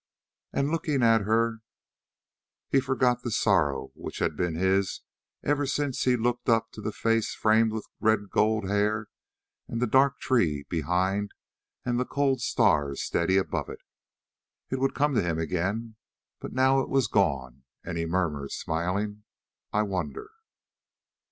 And looking at her he forgot the sorrow which had been his ever since he looked up to the face framed with red gold hair and the dark tree behind and the cold stars steady above it. It would come to him again, but now it was gone, and he murmured, smiling: "I wonder?"